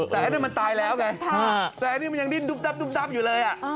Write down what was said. แต่อันนี้มันตายแล้วไงแต่อันนี้มันยังดิ้นดับอยู่เลย